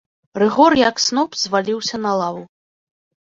Рыгор як сноп зваліўся на лаву.